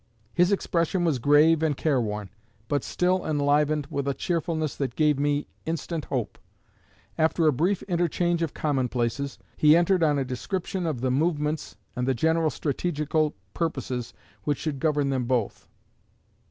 His expression was grave and care worn, but still enlivened with a cheerfulness that gave me instant hope. After a brief interchange of commonplaces, he entered on a description of the situation, giving the numbers of the contending armies, their movements, and the general strategical purposes which should govern them both.